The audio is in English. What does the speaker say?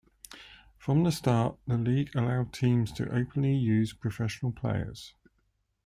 From the start, the league allowed teams to openly use professional players.